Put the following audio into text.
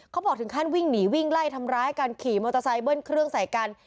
ถึงขั้นวิ่งหนีวิ่งไล่ทำร้ายกันขี่มอเตอร์ไซค์เบิ้ลเครื่องใส่กัน